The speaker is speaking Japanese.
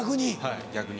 逆に。